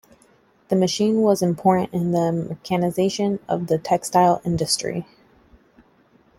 The machine was important in the mechanization of the textile industry.